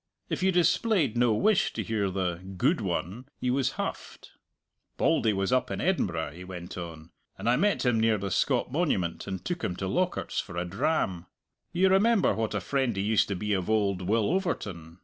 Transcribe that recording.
If you displayed no wish to hear the "good one," he was huffed. "Bauldy was up in Edinburgh," he went on, "and I met him near the Scott Monument and took him to Lockhart's for a dram. You remember what a friend he used to be of old Will Overton.